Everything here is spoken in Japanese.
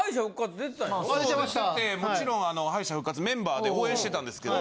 出ててもちろん敗者復活メンバーで応援してたんですけど。